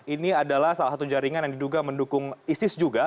ini adalah salah satu jaringan yang diduga mendukung isis juga